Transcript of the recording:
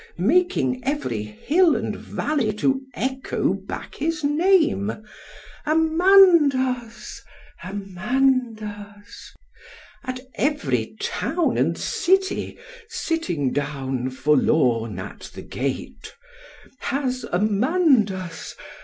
—_making every hill and valley to echo back his name—— Amandus! Amandus! at every town and city, sitting down forlorn at the gate——Has Amandus!